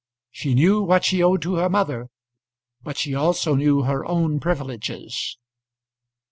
She knew what she owed to her mother, but she also knew her own privileges.